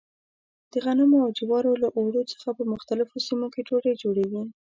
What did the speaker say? د غنمو او جوارو له اوړو څخه په مختلفو سیمو کې ډوډۍ جوړېږي.